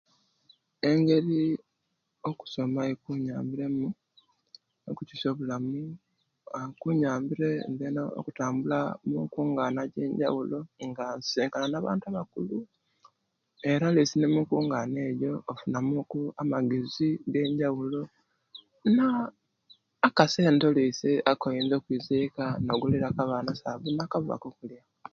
Engeri okusoma ekiyambire, okusoma eikunyambire mu okukyusya obulamu, kunyambire nzena okutambula munkungaana ejenjabulo nga nsisinkana na abantu abakulu, era oluisi nomunkungaana, nfuna muku amagezi agenjabulo; aa akassente oluisi akoiza eika nogulira ku abaana akasabuni nakava kakulya.